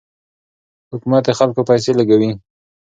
حکومت د خلکو پیسې لګوي.